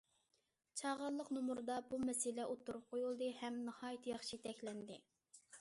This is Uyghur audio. چاغانلىق نومۇردا بۇ مەسىلە ئوتتۇرىغا قويۇلدى ھەم ناھايىتى ياخشى يېتەكلەندى.